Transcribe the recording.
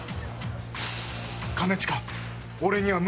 兼近。